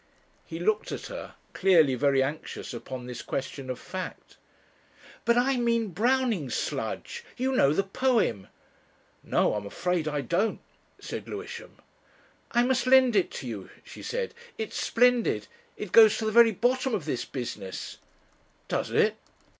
He looked at her, clearly very anxious upon this question of fact. "But I mean Browning's 'Sludge.' You know the poem." "No I'm afraid I don't," said Lewisham. "I must lend it to you," she said. "It's splendid. It goes to the very bottom of this business." "Does it?"